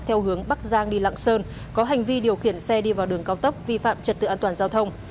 theo hướng bắc giang đi lạng sơn có hành vi điều khiển xe đi vào đường cao tốc vi phạm trật tự an toàn giao thông